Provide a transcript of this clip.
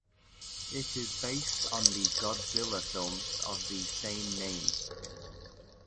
It is based on the Godzilla films of the same name.